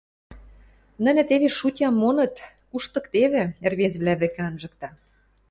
– Нӹнӹ тевеш шутям моныт, куштыктевӹ… – ӹрвезӹвлӓ вӹкӹ анжыкта.